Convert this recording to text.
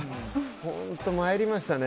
本当参りましたね。